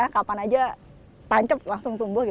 kapan aja tancap langsung tumbuh